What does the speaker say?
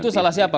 itu salah siapa